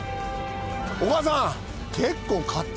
お母さん！